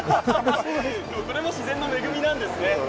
これも自然の恵みなんですね。